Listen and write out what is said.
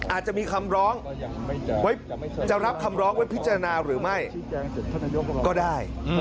อาจจะมีคำร้องจะรับคำร้องไว้พิจารณาหรือไม่ก็ได้